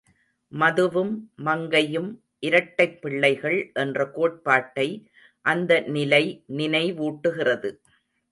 மதுவும் மங்கையும் இரட்டைப் பிள்ளைகள் என்ற கோட்பாட்டை அந்த நிலை நினைவூட்டுகிறது.